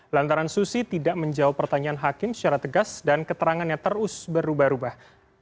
lantaran susi tidak menjawab pertanyaan hakim secara tegas dan keterangannya terus berubah ubah